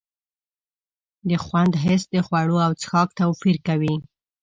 د خوند حس د خوړو او څښاک توپیر کوي.